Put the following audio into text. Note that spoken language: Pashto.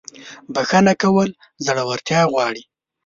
• بخښنه کول زړورتیا غواړي.